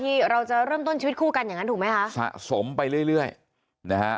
ที่เราจะเริ่มต้นชีวิตคู่กันอย่างงั้นถูกไหมคะสะสมไปเรื่อยเรื่อยนะฮะ